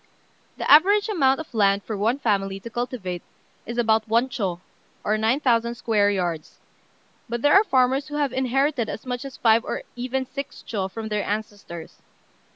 The average amount of land for one family to cultivate is about one chô, or 9,000 square yards; but there are farmers who have inherited as much as five or even six chô from their ancestors.